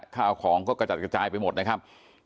ข้าวของก็กระจัดกระจายไปหมดนะครับ